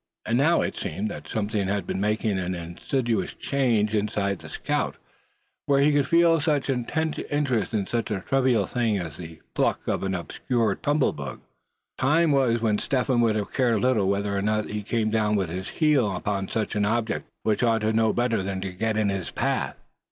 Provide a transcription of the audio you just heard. And now, it seemed that something had been making an insidious change inside the scout; when he could feel such intense interest in so trivial a thing as the pluck of an obscure tumble bug. Time was when Step Hen would have cared little whether or not he came down with his heel upon such an object, which ought to know better than get in his path.